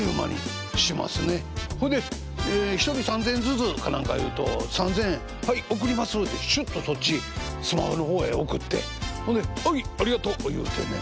ほいで１人３，０００円ずつかなんか言うと３，０００円はい送りますってシュッとそっちスマホの方へ送ってほんで「はいありがとう」言うてね。